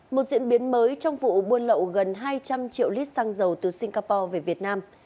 một diễn biến mới trong vụ buôn lậu gần hai trăm linh triệu lít xăng dầu từ singapore về việt nam